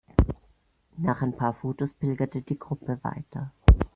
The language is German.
Nach ein paar Fotos pilgerte die Gruppe weiter.